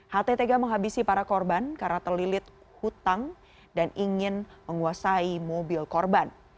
ht tega menghabisi para korban karena terlilit hutang dan ingin menguasai mobil korban